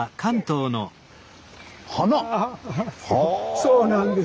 そうなんです。